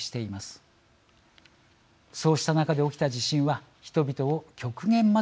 そうした中で起きた地震は人々を極限まで追い込んでいます。